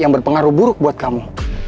yang berpengaruh buruk buat kamu